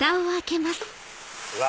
うわ！